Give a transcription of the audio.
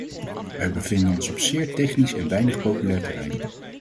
Wij bevinden ons op zeer technisch en weinig populair terrein.